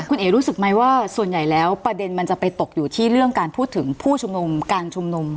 คุณเอ๋รู้สึกไหมว่าส่วนใหญ่แล้วประเด็นมันจะไปตกอยู่ที่เรื่องการพูดถึงผู้ชุมนุมการชุมนุม